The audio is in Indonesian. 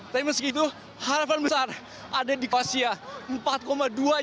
tapi meskipun harapan besar ada di kruasia